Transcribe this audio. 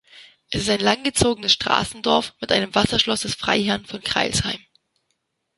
Es ist ein langgezogenes Straßendorf mit einem Wasserschloss der Freiherren von Crailsheim.